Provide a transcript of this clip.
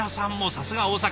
さすが大阪！